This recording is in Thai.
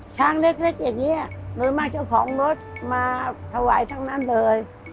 ช้างเล็กอย่างนี้โดยมากเจ้าของรถมาถวายทั้งนั้นเลย